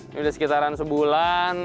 ini udah sekitaran sebulan